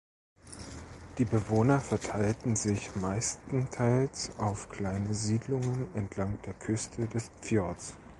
Die Bewohner verteilen sich meistenteils auf kleine Siedlungen entlang der Küste des Fjords.